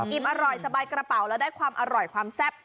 อร่อยสบายกระเป๋าแล้วได้ความอร่อยความแซ่บ